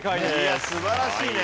いや素晴らしいね。